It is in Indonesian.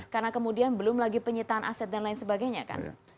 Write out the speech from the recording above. karena kemudian belum lagi penyitaan aset dan lain sebagainya kan